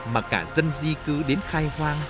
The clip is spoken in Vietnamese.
mà cả dân di cư đến khai hoang